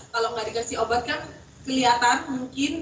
kalau nggak dikasih obat kan kelihatan mungkin